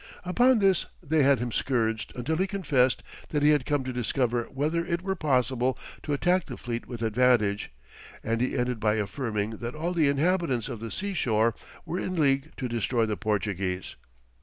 Upon this they had him scourged until he confessed that he had come to discover whether it were possible to attack the fleet with advantage, and he ended by affirming that all the inhabitants of the sea shore were in league to destroy the Portuguese.